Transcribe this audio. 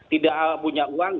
tidak punya uang